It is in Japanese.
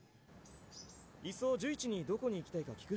いっそ寿一にどこに行きたいか聞く？